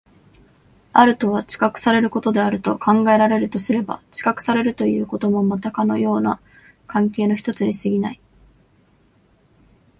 あるとは知覚されることであると考えられるとすれば、知覚されるということもまたかような関係の一つに過ぎない。